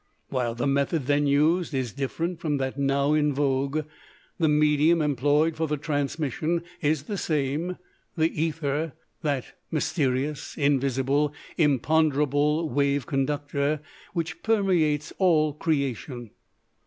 While the method then used is different from that now in vogue, the medium employed for the transmission is the same the ether, that mysterious, invisible, imponderable wave conductor which permeates all creation.